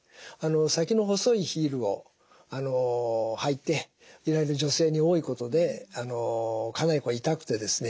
先の細いヒールを履いていられる女性に多いことでかなり痛くてですね